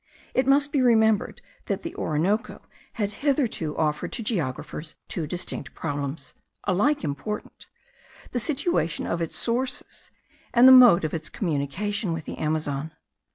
It must be remembered that the Orinoco had hitherto offered to geographers two distinct problems, alike important, the situation of its sources, and the mode of its communication with the Amazon.